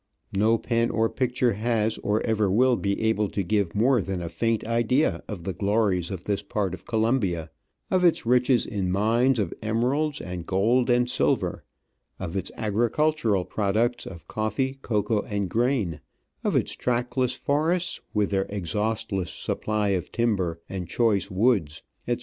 No pen or picture has or ever will be able to give more than a faint idea of the glories of this part of Colombia — of its riches in mines of emeralds and gold and silver ; of its agricultural products of coffee, cocoa, and grain ; of Its trackless forests, with their exhaustless supply of timber and choice woods, its Digitized by VjOOQIC OF AN Orchid Hunter.